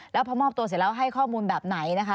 แล้วพอมอบตัวเสร็จแล้วให้ข้อมูลแบบไหนนะคะ